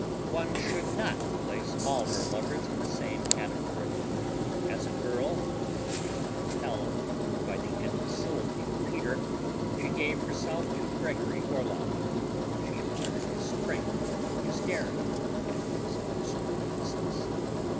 One should not place all her lovers in the same category. As a girl, and when repelled by the imbecility of Peter, she gave herself to Gregory Orloff. She admired his strength, his daring, and his unscrupulousness.